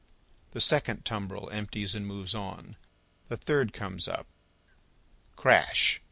The second tumbril empties and moves on; the third comes up. Crash!